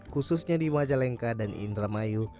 khususnya di majalengka dan indramayu